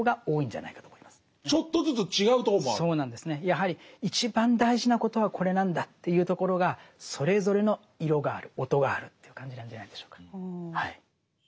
やはり一番大事なことはこれなんだというところがそれぞれの色がある音があるという感じなんじゃないでしょうか。